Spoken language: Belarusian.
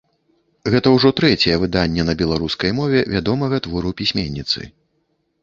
Гэта ўжо трэцяе выданне на беларускай мове вядомага твору пісьменніцы.